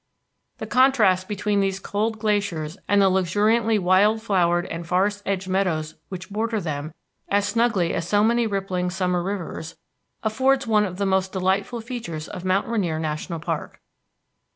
The contrast between these cold glaciers and the luxuriantly wild flowered and forest edged meadows which border them as snugly as so many rippling summer rivers affords one of the most delightful features of the Mount Rainier National Park.